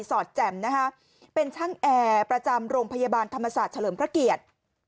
อดแจ่มนะคะเป็นช่างแอร์ประจำโรงพยาบาลธรรมศาสตร์เฉลิมพระเกียรติ